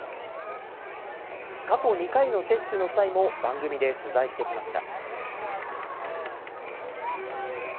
過去２回の接種の際も番組で取材してきました。